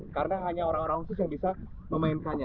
karena hanya orang orang khusus yang bisa memainkannya